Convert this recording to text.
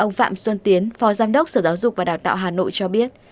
ông phạm xuân tiến phó giám đốc sở giáo dục và đào tạo hà nội cho biết